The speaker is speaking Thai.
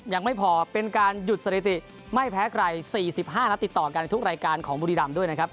ยังไม่พอเป็นการหยุดสถิติไม่แพ้ใคร๔๕นัดติดต่อกันในทุกรายการของบุรีรำด้วยนะครับ